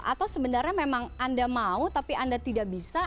atau sebenarnya memang anda mau tapi anda tidak bisa